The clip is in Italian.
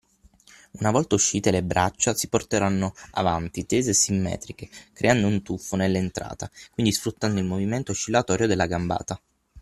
Una volta uscite le braccia si porteranno avanti, tese e simmetriche, creando un tuffo nell’entrata, quindi sfruttando il movimento oscillatorio della gambata.